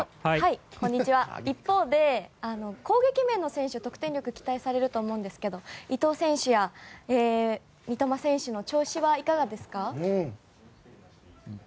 一方で、攻撃面の選手得点力が期待されると思うんですけど伊東選手や三笘選手の調子はいかがですか。